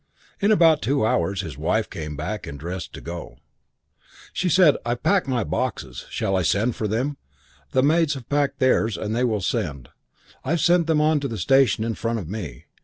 "In about two hours his wife came back dressed to go. She said, 'I've packed my boxes. I shall send for them. The maids have packed theirs and they will send. I've sent them on to the station in front of me.